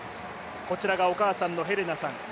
こちらがお母さんのヘレナさん。